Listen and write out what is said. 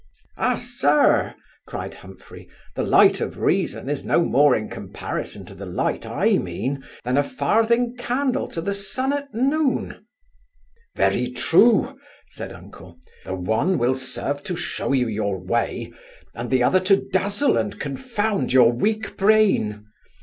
'Ah, sir! (cried Humphry) the light of reason, is no more in comparison to the light I mean, than a farthing candle to the sun at noon' 'Very true (said uncle), the one will serve to shew you your way, and the other to dazzle and confound your weak brain.